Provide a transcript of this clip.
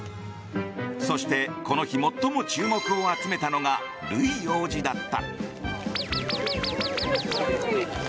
そして、この日最も注目を集めたのがルイ王子だった。